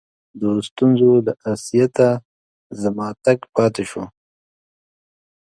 د ستونزو له آسیته زما تګ پاته سو.